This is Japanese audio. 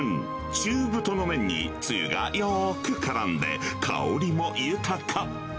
中太の麺に、つゆがよくからんで、香りも豊か。